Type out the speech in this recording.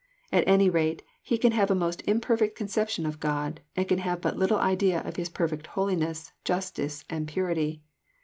At any rate he can have a most imperfect conception of God, and can have but little idea of His perfect holiness, justice, and purity.